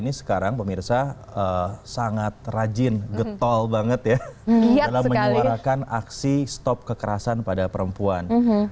dalam menyuarakan aksi stop kekerasan pada perempuan